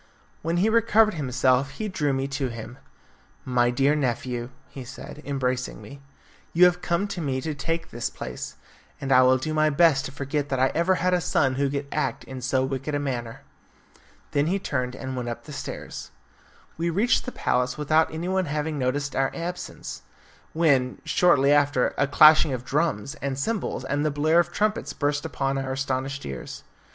When he recovered himself he drew me to him. "My dear nephew," he said, embracing me, "you have come to me to take his place, and I will do my best to forget that I ever had a son who could act in so wicked a manner." Then he turned and went up the stairs. We reached the palace without anyone having noticed our absence, when, shortly after, a clashing of drums, and cymbals, and the blare of trumpets burst upon our astonished ears.